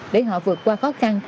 để họ vượt qua khó khăn